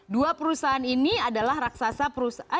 dua perusahaan ini adalah raksasa perusahaan